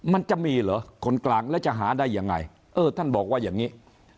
มันจะมีเหรอคนกลางแล้วจะหาได้ยังไงเออท่านบอกว่าอย่างนี้